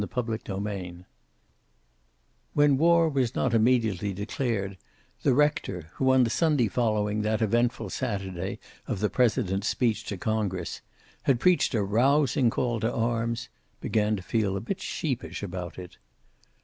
CHAPTER XXIV When war was not immediately declared the rector, who on the Sunday following that eventful Saturday of the President's speech to Congress had preached a rousing call to arms, began to feel a bit sheepish about it.